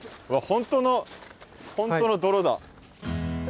本当の本当の泥だ。